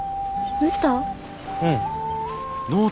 うん。